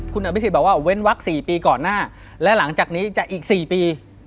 คุณอภิษฎบอกว่าเว้นวัก๔ปีก่อนหน้าและหลังจากนี้จะอีก๔ปี